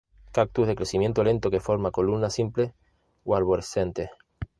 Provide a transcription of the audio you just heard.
Cactus de crecimiento lento que forma columnas simples o arborescentes.